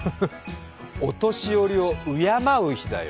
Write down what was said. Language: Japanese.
お年寄りを敬う日だよ。